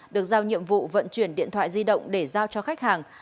được giao nhiệm vụ vận chuyển điện thoại di động để giao cho khách hàng